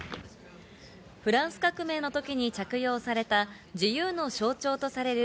フランス革命の時に着用された自由の象徴とされる